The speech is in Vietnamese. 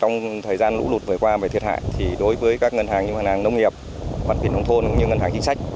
trong thời gian lũ lụt vừa qua về thiệt hại thì đối với các ngân hàng như ngân hàng nông nghiệp văn kiện nông thôn cũng như ngân hàng chính sách